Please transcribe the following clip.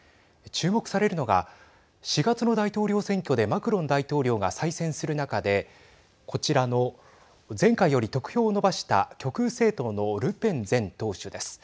注目されるのが４月の大統領選挙でマクロン大統領が再選する中でこちらの前回より得票を伸ばした極右政党のルペン前党首です。